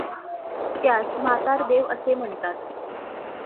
त्यास म्हातारदेव असें म्हणतात.